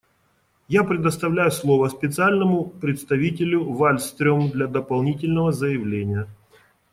Я предоставляю слово Специальному представителю Вальстрём для дополнительного заявления.